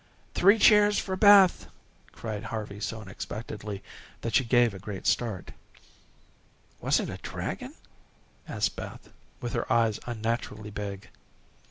"Three cheers for Beth," cried Harvey so unexpectedly that she gave a great start. "Was it a dragon?" asked Beth with her eyes unnaturally big.